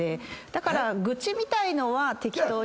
だから愚痴みたいのは適当に。